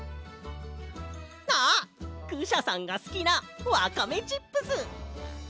あっクシャさんがすきなワカメチップス！